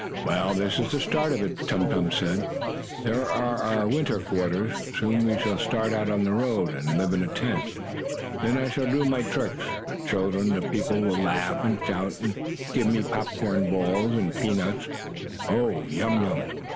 "Well, this is the start of it," Tum Tum said. "These are our winter quarters. Soon we shall start out on the road, and live in a tent. Then I shall do my tricks, the children and the people will laugh and shout, and give me popcorn balls and peanuts. Oh, yum yum!"